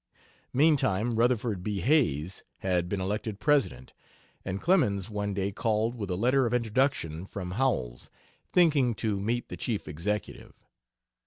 Meantime, Rutherford B. Hayes had been elected President, and Clemens one day called with a letter of introduction from Howells, thinking to meet the Chief Executive.